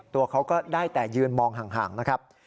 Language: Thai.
ตัวเขาก็ได้แต่ยืนมองห่างนะครับ